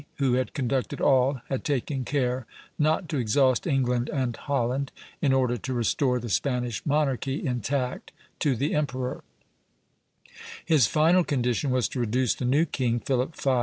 who had conducted all, had taken care not to exhaust England and Holland, in order to restore the Spanish monarchy, intact, to the emperor; his final condition was to reduce the new king, Philip V.